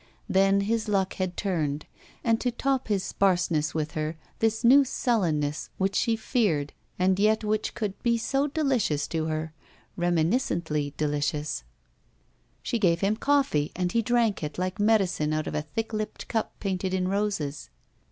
Then his luck had turned, and to top his sparse ness with her this new suUenness which she feared and yet which could be so delicious to her — ^remi niscently delicious. 273 ROULETTE She gave him coffee, and he drank it like medicine out of a thick lipped cup painted in roses.